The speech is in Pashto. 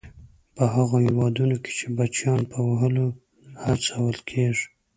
په هغو هېوادونو کې چې بچیان په وهلو هڅول کیږي.